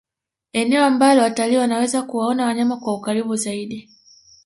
eneo ambalo watalii wanaweza kuwaona wanyama kwa ukaribu zaidi